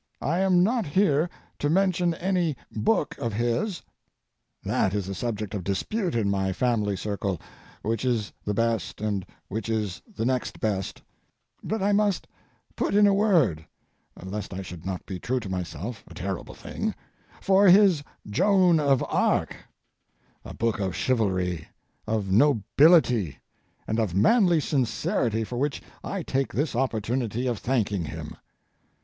I am not here to mention any book of his that is a subject of dispute in my family circle, which is the best and which is the next best but I must put in a word, lest I should not be true to myself a terrible thing for his Joan of Arc, a book of chivalry, of nobility, and of manly sincerity for which I take this opportunity of thanking him.